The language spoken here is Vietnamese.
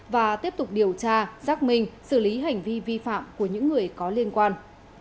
và tiếp tục điều tra xác minh xử lý hành vi vi phạm của những người có liên quan